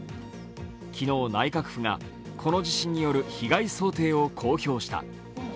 昨日、内閣府がこの地震による被害想定を公表した。